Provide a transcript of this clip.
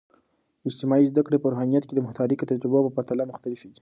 اجتماعي زده کړې په روحانيات کې د متحرک تجربو په پرتله مختلفې دي.